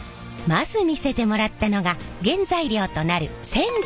まず見せてもらったのが原材料となる銑鉄。